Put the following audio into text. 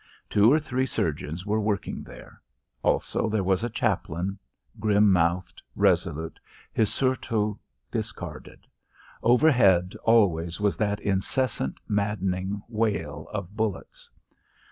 Two or three surgeons were working there. Also, there was a chaplain, grim mouthed, resolute, his surtout discarded. Overhead always was that incessant maddening wail of bullets.